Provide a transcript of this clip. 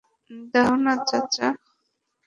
দেও না, চাচা।